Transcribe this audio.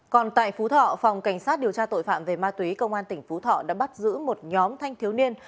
còn tại phú thọ phòng cảnh sát điều tra tội phạm về ma túy công an tỉnh phú thọ đã bắt giữ một nhóm thanh thiếu niên